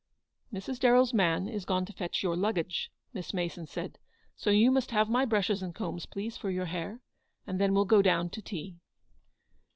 " Mrs. DarrelFs man is gone to fetch your lug gage/' Miss Mason said, " so you must have my IIAZLEWOOD. 2 5 9 brushes and combs, please, for your hair, and then we'll go down to tea."